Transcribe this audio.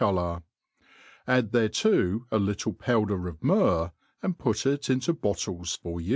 colour ; add thereto a little powder of myrrh, and put it into bottles for ufe.